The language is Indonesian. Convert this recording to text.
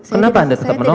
kenapa anda tetap menolak